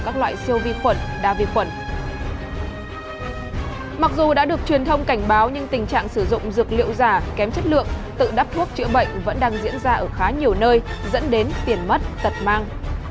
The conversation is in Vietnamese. truyền thông cảnh báo những tình trạng sử dụng dược liệu giả kém chất lượng tự đắp thuốc chữa bệnh vẫn đang diễn ra ở khá nhiều nơi dẫn đến tiền mất tật mang